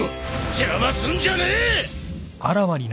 邪魔すんじゃねえ！